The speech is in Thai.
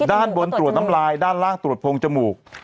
ด้านบนตรวจน้ำลายด้านล่างตรวจโพงจมูก